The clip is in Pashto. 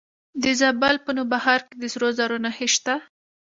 د زابل په نوبهار کې د سرو زرو نښې شته.